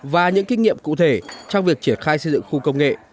và những kinh nghiệm cụ thể trong việc triển khai xây dựng khu công nghệ